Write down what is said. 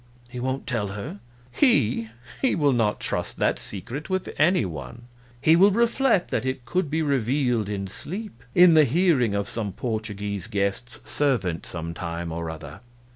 "He won't tell her?" "He? He will not trust that secret with any one; he will reflect that it could be revealed in sleep, in the hearing of some Portuguese guest's servant some time or other."